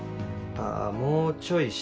あもうちょい下。